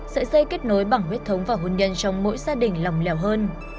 sợi dây kết nối bằng huyết thống và hôn nhân trong mỗi gia đình lòng lẻo hơn